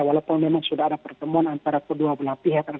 walaupun memang sudah ada pertemuan antara kedua belah pihak